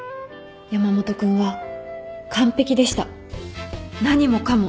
山本君は完璧でした何もかも。